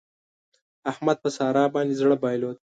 احمد په سارا باندې زړه بايلود.